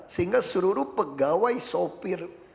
sehingga seluruh pegawai sopir